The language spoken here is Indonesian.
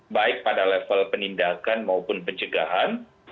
baik pada level penindakan maupun pencegahan